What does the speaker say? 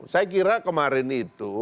saya kira kemarin itu